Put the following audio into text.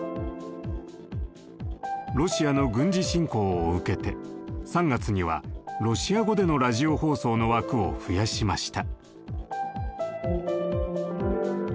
ロシアの軍事侵攻を受けて３月にはロシア語でのラジオ放送の枠を増やしました。